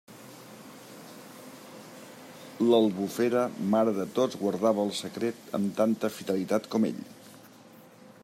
L'Albufera, mare de tots, guardava el secret amb tanta fidelitat com ell.